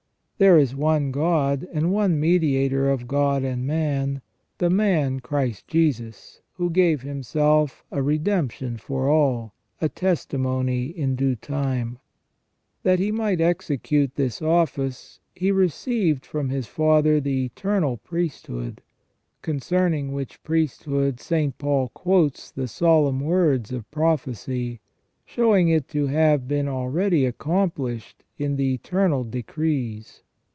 " There is one God, and one mediator of God and man, the man Christ Jesus, who gave Himself a redemption for all, a testimony in due time," That He might execute this office, He received from His Father the eternal priest hood. Concerning which priesthood St. Paul quotes the solemn words of prophecy, showing it to have been already accomplished in the eternal decrees.